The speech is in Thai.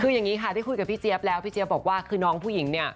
คืออย่างนี้ค่ะได้คุยกับพี่เจี๊ยบแล้วพี่เจี๊ยบบอกว่าคือน้องผู้หญิงเนี่ย